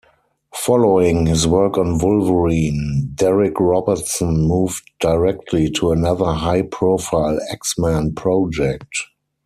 Following his work on Wolverine, Darick Robertson moved directly to another high-profile X-Men project.